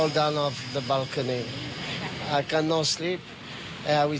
แล้วไม่มีใครบอกเขาได้